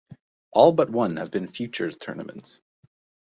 All but one have been Futures tournaments.